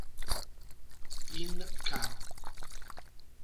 In ca.